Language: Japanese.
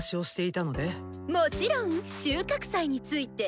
もちろん収穫祭について！